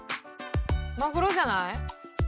マグロじゃない？